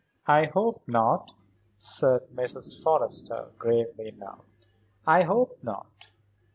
"I hope not," said Mrs. Forrester, gravely now. "I hope not.